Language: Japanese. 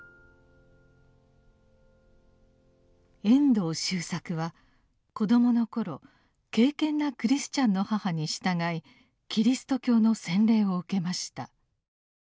遠藤周作は子供の頃敬けんなクリスチャンの母に従いキリスト教の洗礼を受けました。